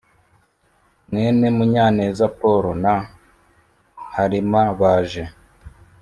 mwene Munyaneza Paul na harima baje